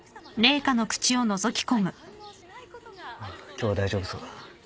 今日は大丈夫そうだ。